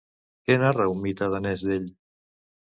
Què narra un mite danès d'ell?